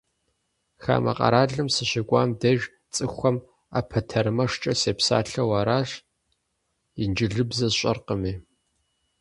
Хамэ къаралым сыщыкӏуам деж цӏыхухэм ӏэпэтэрмэшкӏэ сепсалъэу аращ, инджылыбзэ сщӏэркъыми.